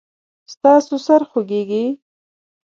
ستاسو سر خوږیږي؟